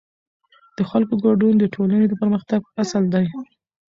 د خلکو ګډون د ټولنې د پرمختګ اصل دی